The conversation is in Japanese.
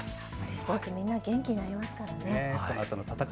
スポーツ、みんな元気になりますからね。